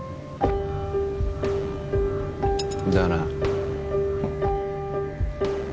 だな